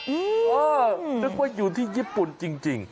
อือเออนึกว่าอยู่ที่ญี่ปุ่นจริงจริง